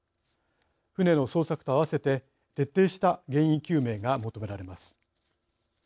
船の捜索と併せて徹底した原因究明が求められます。